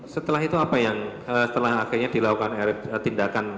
setelah itu apa yang setelah akhirnya dilakukan tindakan